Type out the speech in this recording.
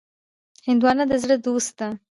هندوانه د زړه دوست دی.